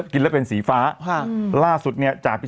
กินแล้วเป็นสีฟ้าฮะล่าสุดเนี้ยจ๋าฟิชิต